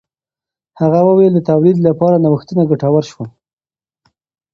هغه وویل د تولید لپاره نوښتونه ګټور شول.